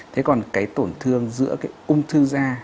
thế còn cái tổn thương giữa cái ung thư da